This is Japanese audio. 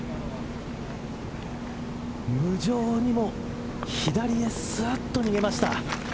無情にも左へすっと逃げました。